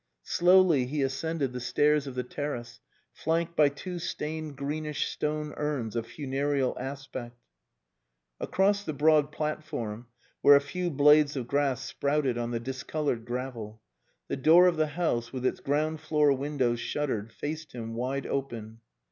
Slowly he ascended the stairs of the terrace, flanked by two stained greenish stone urns of funereal aspect. Across the broad platform, where a few blades of grass sprouted on the discoloured gravel, the door of the house, with its ground floor windows shuttered, faced him, wide open.